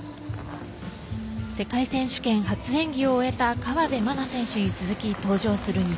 世界選手権初演技を終えた河辺愛菜選手に続き登場する